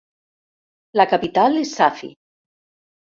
La capital és Safi.